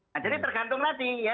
nah jadi tergantung tadi ya